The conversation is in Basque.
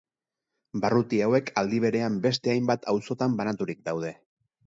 Barruti hauek aldi berean beste hainbat auzotan banaturik daude.